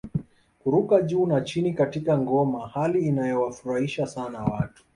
Kuruka juu na chini katika ngoma hali ianoyowafurahisha sana watu